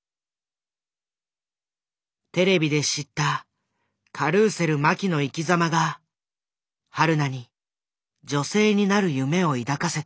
テレビで知ったカルーセル麻紀の生きざまがはるなに女性になる夢を抱かせた。